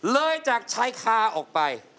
เลยจากชายคาออกไป